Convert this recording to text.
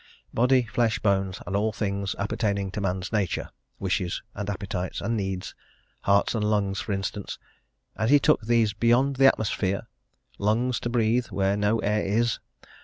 Body, flesh, bones, and all things appertaining to man's nature; wishes, and appetites, and needs, heart and lungs, for instance; and he took these beyond the atmosphere? lungs to breathe where no air is?